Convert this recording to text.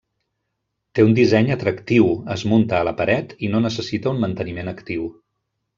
Té un disseny atractiu, es munta a la paret, i no necessita un manteniment actiu.